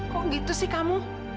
kok gitu sih kamu